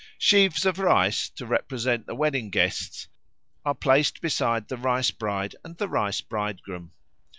Sheaves of rice, to represent the wedding guests, are placed beside the Rice bride and the Rice bridegroom.